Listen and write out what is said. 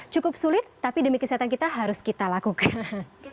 cukup sulit tapi demi kesehatan kita harus kita lakukan